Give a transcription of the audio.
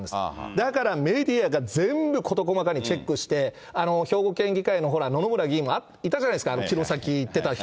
だからメディアが全部事細かにチェックして、兵庫県議会の野々村議員もいたじゃないですか、あの城崎行ってた人。